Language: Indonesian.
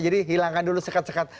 jadi hilangkan dulu sekat sekat